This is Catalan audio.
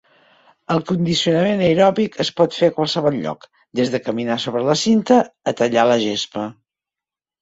El condicionament aeròbic es pot fer a qualsevol lloc, des de caminar sobre la cinta a tallar la gespa.